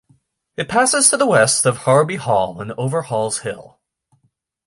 It passes to the west of Harrowby Hall and over Hall's Hill.